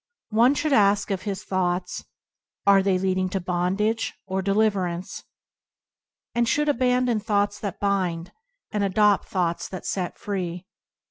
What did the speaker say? One should ask of his thoughts, "Are they leading to bondage or deliverance?" and he should abandon thoughts that bind, and adopt thoughts that set free.